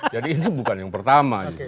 jadi ini bukan yang pertama